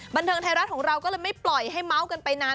บันเทิงไทยรัฐของเราก็เลยไม่ปล่อยให้เมาส์กันไปนาน